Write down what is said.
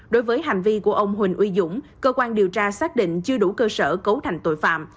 đối với hành vi của ông huỳnh uy dũng cơ quan điều tra xác định chưa đủ cơ sở cấu thành tội phạm